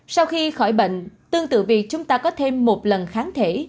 sau khi khỏi bệnh tương tự vì chúng ta có thêm một lần kháng thể